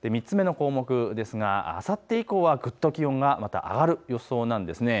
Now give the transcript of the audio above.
３つ目の項目ですが、あさって以降はぐっと気温が上がる予想なんです。